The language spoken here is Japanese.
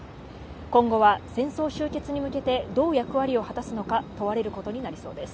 今後は戦争終結に向けてどう役割を果たすのか、問われることになりそうです。